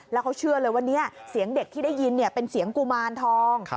แล้วเขาเชื่อเลยว่านี้เสียงเด็กที่ได้ยินเป็นเสียงกุมารทอง